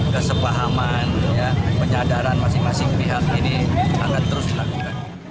kesepahaman penyadaran masing masing pihak ini akan terus dilakukan